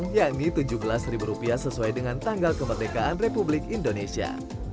roti kukus panggang ini juga cukup ramah di kantong yakni tujuh belas rupiah sesuai dengan tanggal kemerdekaan republik indonesia